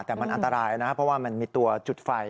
แต่มันอันตรายนะเพราะว่ามันมีตัวจุดไฟ